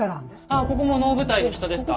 ああここもう能舞台の下ですか。